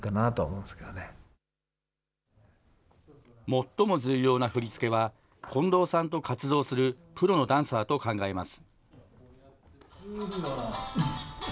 最も重要な振り付けは、近藤さんと活動するプロのダンサーと考えます。